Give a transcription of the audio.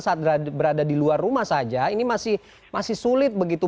saat berada di luar rumah saja ini masih sulit begitu